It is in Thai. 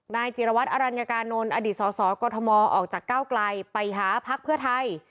จิรวัตรอรัญญากานนท์อดีตสสกมออกจากก้าวไกลไปหาพักเพื่อไทย